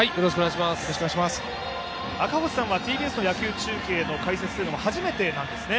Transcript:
赤星さんはＴＢＳの野球中継の解説は初めてなんですね。